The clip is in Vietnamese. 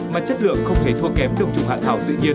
mà chất lượng không thể thua kém được trùng hạ thảo tự nhiên